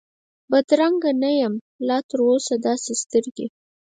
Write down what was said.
بدرنګه نه یم لا تراوسه داسي سترګې،